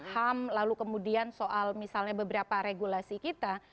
ham lalu kemudian soal misalnya beberapa regulasi kita